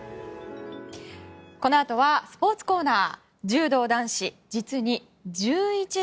このあとはスポーツコーナー。